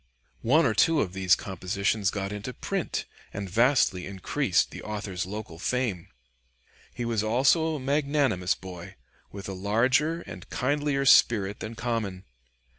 One or two of these compositions got into print and vastly increased the author's local fame. He was also a magnanimous boy, with a larger and kindlier spirit than common.